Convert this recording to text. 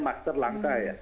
masker langka ya